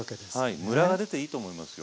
ムラが出ていいと思いますよ。